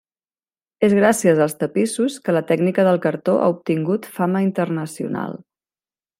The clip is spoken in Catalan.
És gràcies als tapissos que la tècnica del cartó ha obtingut fama internacional.